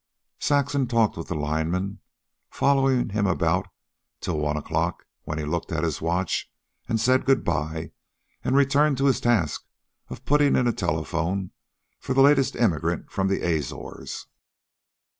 Saxon talked with the lineman, following him about, till one o'clock, when he looked at his watch, said good bye, and returned to his task of putting in a telephone for the latest immigrant from the Azores.